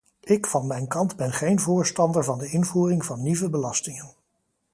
Ik van mijn kant ben geen voorstander van de invoering van nieuwe belastingen.